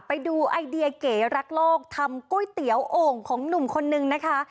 ไปดูไอเดียเก๋รักโลกทำก๋วยเตี๋ยวโอ่งของหนุ่มคนนึงนะคะ